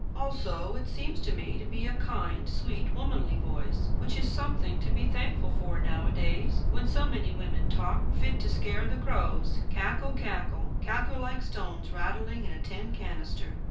Also it seems to me to be a kind, sweet, womanly voice, which is something to be thankful for nowadays, when so many women talk, fit to scare the crows; cackle, cackle, cackle like stones rattling in a tin canister."